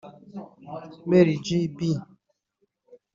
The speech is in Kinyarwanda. Mary J B